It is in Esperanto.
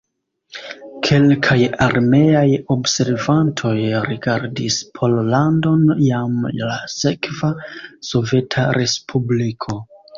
Kelkaj armeaj observantoj rigardis Pollandon jam la sekva soveta respubliko.